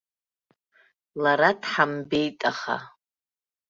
Лара дҳамбеит аха.